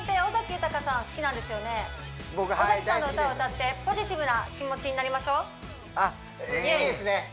尾崎さんの歌を歌ってポジティブな気持ちになりましょうあっいいですね